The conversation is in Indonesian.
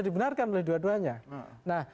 dibenarkan oleh dua duanya nah